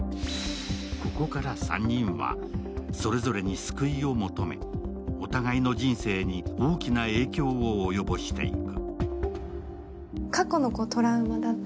ここから３人はそれぞれに救いを求め、お互いの人生に大きな影響を及ぼしていく。